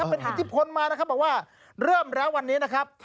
เป็นอิทธิพลมานะครับบอกว่าเริ่มแล้ววันนี้นะครับ